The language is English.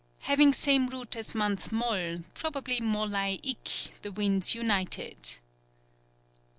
_ Having same root as month Mol, probably molay ik, "the winds united."